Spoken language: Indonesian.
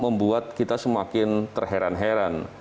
membuat kita semakin terheran heran